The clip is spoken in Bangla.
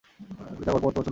বেচারা গল্প করতে পছন্দ করে।